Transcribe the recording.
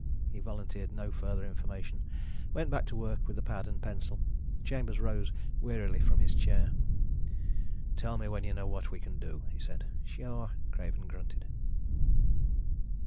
He volunteered no further information, went back to work with the pad and pencil. Chambers rose wearily from his chair. "Tell me when you know what we can do," he said. "Sure," Craven grunted.